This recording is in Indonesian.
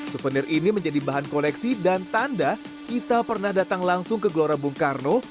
souvenir ini menjadi bahan koleksi dan tanda kita pernah datang langsung ke gelora bung karno